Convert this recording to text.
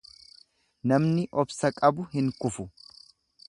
Namni obsa qabu hin kufu.